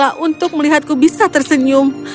bagaimana untuk melihatku bisa tersenyum